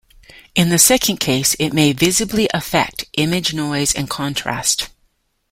In the second case, it may visibly affect image noise and contrast.